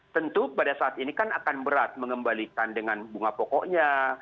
tentu pada saat ini kan akan berat mengembalikan dengan bunga pokoknya